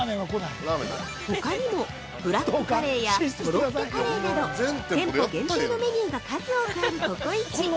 ほかにもブラックカレーやコロッケカレーなど店舗限定のメニューが数多くあるココイチ。